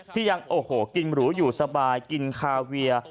ที่ยังกินหมูหรูอยู่สบายกินคาเวียร์